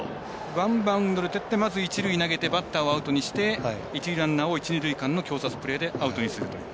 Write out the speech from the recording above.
ワンバウンドでとって一塁投げてバッターをアウトにして一塁ランナーを一、二塁間の挟殺プレーでアウトにするという。